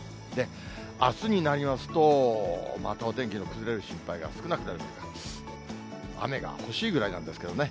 あすになりますと、またお天気の崩れる心配が少なくなるというか、雨が欲しいぐらいなんですけどね。